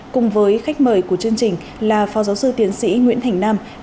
cùng với khách mời của chương trình là phó giáo sư tiến sĩ nguyễn thành nam